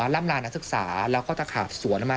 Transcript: ล่ำลานนักศึกษาแล้วก็ตะขาบสวนออกมา